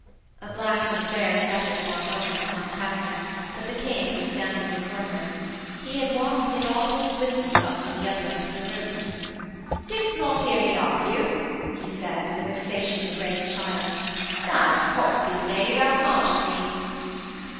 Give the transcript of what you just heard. A black despair settled for a moment upon Katharine, but the King was standing before her. He had walked with inaudible swiftness up from the other end of the room. 'Didst not hear me argue!' he said, with the vexation of a great child. 'That poxy knave out marched me!'